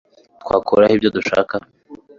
twakura he ibyo dushaka